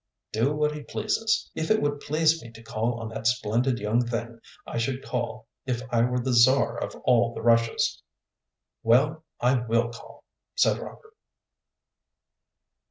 "Do what he pleases. If it would please me to call on that splendid young thing, I should call if I were the Czar of all the Russias." "Well, I will call," said Robert.